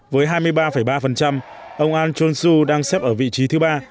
với hai mươi ba ba ông ahn jong soo đang xếp ở vị trí thứ ba